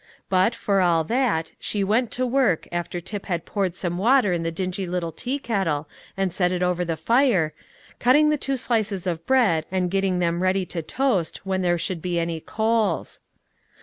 But, for all that, she went to work, after Tip had poured some water in the dingy little tea kettle and set it over the fire, cutting the two slices of bread, and getting them ready to toast when there should be any coals.